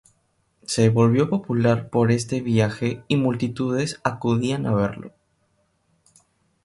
Se volvió popular por este viaje y multitudes acudían a verlo.